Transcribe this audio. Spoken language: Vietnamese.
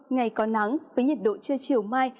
ngày có nắng với nhiệt độ trưa chiều mai